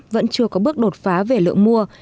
vẫn chưa có bước đột phá về lượng mua